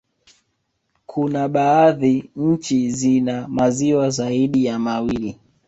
Kuna baadhi nchi zina maziwa zaidi ya mawili